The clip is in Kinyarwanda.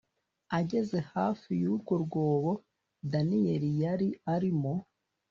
Ageze hafi y urwo rwobo Daniyeli yari arimo